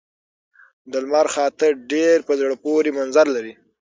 د لمر خاته ډېر په زړه پورې منظر لري.